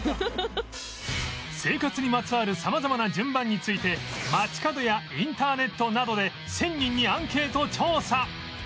生活にまつわる様々な順番について街角やインターネットなどで１０００人にアンケート調査